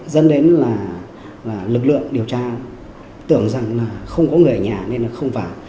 dân đến là lực lượng điều tra tưởng rằng là không có người ở nhà nên là không vào